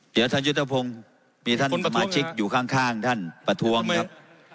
เดี๋ยวท่านยุทธพงศ์มีท่านสมาชิกอยู่ข้างท่านประท้วงครับ